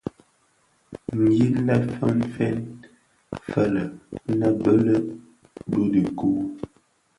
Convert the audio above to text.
Yin lè fèn fèn fëlë nnë bëlëg bi dhikuu.